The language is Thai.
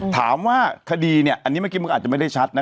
ถามว่าคดีเนี่ยอันนี้เมื่อกี้มึงอาจจะไม่ได้ชัดนะ